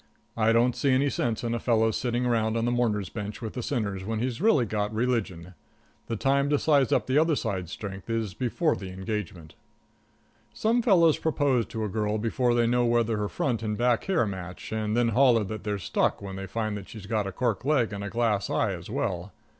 I don't see any sense in a fellow's sitting around on the mourner's bench with the sinners, after he's really got religion. The time to size up the other side's strength is before the engagement. Some fellows propose to a girl before they know whether her front and her back hair match, and then holler that they're stuck when they find that she's got a cork leg and a glass eye as well.